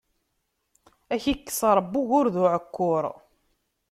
Ad ak-ikkes Ṛebbi ugur d uɛekkur!